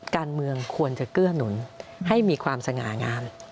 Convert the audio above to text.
การเมืองควรจะเกื้อหนุนให้มีความสง่างาม